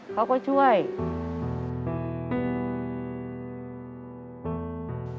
เขาก็ช่วย